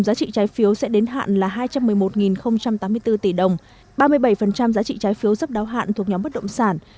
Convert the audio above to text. giá trị trái phiếu sẽ đến hạn là hai trăm một mươi một tám mươi bốn tỷ đồng ba mươi bảy giá trị trái phiếu sắp đáo hạn thuộc nhóm bất động sản